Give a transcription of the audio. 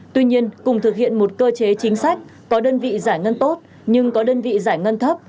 tuy nhiên cùng thực hiện một cơ chế chính sách có đơn vị giải ngân tốt nhưng có đơn vị giải ngân thấp